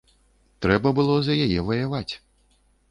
Трэба было за яе ваяваць.